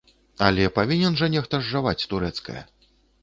Але павінен жа нехта зжаваць турэцкае?